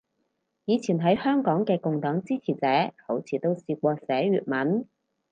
以前喺香港嘅共黨支持者好似都試過寫粵文